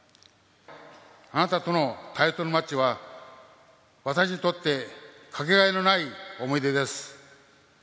あなたとのタイトルマッチは、私にとって掛けがえのない思い出です。